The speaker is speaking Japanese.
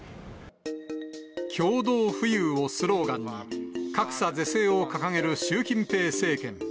共同富裕をスローガンに、格差是正を掲げる習近平政権。